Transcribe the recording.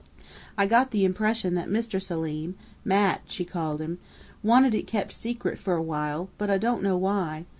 I got the impression that Mr. Selim Mat, she called him wanted it kept secret for a while, but I don't know why....